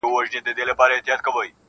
• له هغه وخته چي ما پېژندی -